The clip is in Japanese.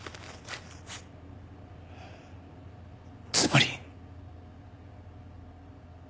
つまり。